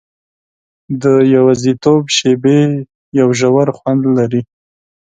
د یوازیتوب شېبې یو ژور خوند لري.